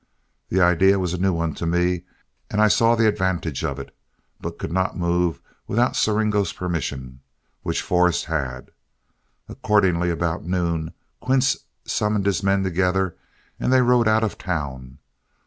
The idea was a new one to me, and I saw the advantage of it, but could not move without Siringo's permission, which Forrest had. Accordingly about noon, Quince summoned his men together, and they rode out of town.